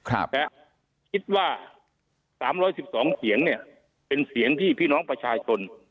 คิดว่า๓๑๒เสียงเนี่ยเป็นเสียงที่พี่น้องประชาชน